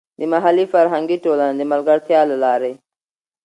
د محلي فرهنګي ټولنې د ملګرتیا له لارې.